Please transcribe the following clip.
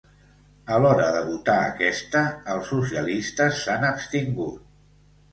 A l’hora de votar aquesta, els socialistes s’han abstingut.